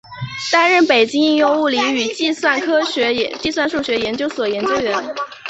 担任北京应用物理与计算数学研究所研究员。